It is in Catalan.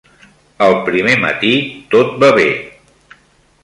El primer matí tot va bé.